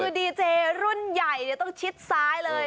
คือดีเจรุ่นใหญ่ต้องชิดซ้ายเลย